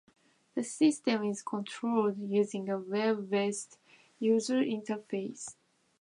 The system is controlled using a web-based user interface.